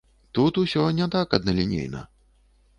Тут ўсё не так адналінейна.